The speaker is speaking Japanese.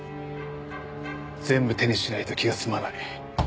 全部手にしないと気が済まない。